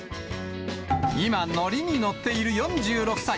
今、乗りに乗ってる４６歳。